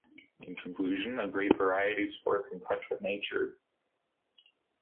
In conclusion, a great variety of sports in touch with nature.